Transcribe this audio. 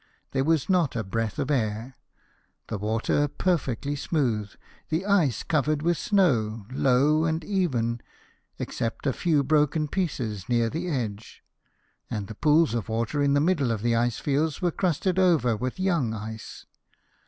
There was not a breath of air ; the water perfectly smooth ; the ice covered with snow, low and even except a few broken pieces near the edge ; and the pools of water in the middle of the ice fields just crusted over with young ice.